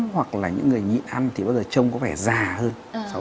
hoặc là những người nhịn ăn thì bao giờ trông có vẻ già hơn